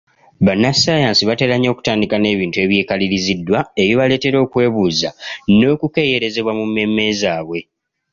Bannassaayansi batera nnyo okutandika n’ebintu ebyekaliriziddwa ebibaleetera okwebuuza n’okukeeyerezebwa mu mmeeme zaabwe.